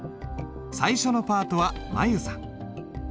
最初のパートは舞悠さん。